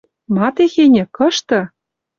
Ма техеньӹ? Кышты?..